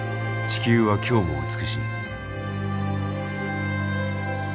地球は今日も美しい。